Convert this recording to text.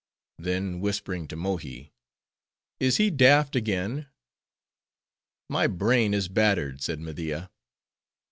Then, whispering to Mohi—"Is he daft again?" "My brain is battered," said Media.